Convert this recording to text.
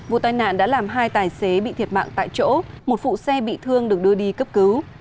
vụ tai nạn đã làm hai tài xế bị thiệt mạng tại chỗ một phụ xe bị thương được đưa đi cấp cứu